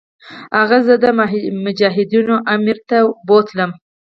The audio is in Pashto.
هغه زه مجاهدینو امیر ته بوتلم.